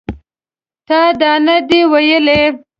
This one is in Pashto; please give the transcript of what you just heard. تا دا نه دي ویلي